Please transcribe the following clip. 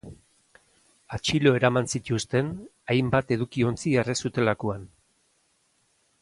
Atxilo eraman zituzten hainbat eduki-ontzi erre zutelakoan.